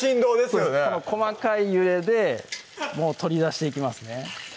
その細かい揺れでもう取り出していきますね